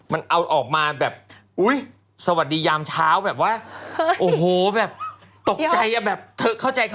มันเอาออกมาแบบอุ้ยสวัสดียามเช้าแบบว่าโอ้โหแบบตกใจอ่ะแบบเธอเข้าใจค่ะ